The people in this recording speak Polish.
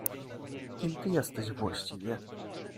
"Kim ty jesteś właściwie?"